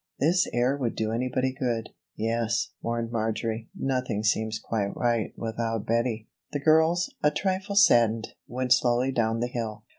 This air would do anybody good." "Yes," mourned Marjory, "nothing seems quite right without Bettie." The girls, a trifle saddened, went slowly down the hill.